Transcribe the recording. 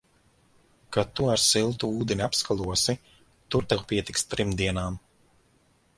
Kad tu ar siltu ūdeni apskalosi, tur tev pietiks trim dienām.